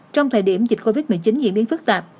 trong thời điểm dịch covid một mươi chín diễn biến phức tạp